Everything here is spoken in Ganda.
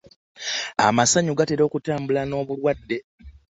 Amasanyu gatera okutambula n'obulwadde.